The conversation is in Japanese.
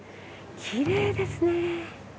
きれいですね。